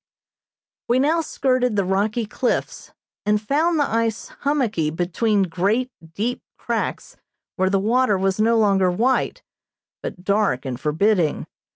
We now skirted the rocky cliffs, and found the ice hummocky between great, deep cracks where the water was no longer white, but dark and forbidding.